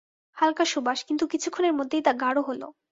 হালকা সুবাস, কিন্তু কিছুক্ষণের মধ্যেই তা গাঢ় হলো।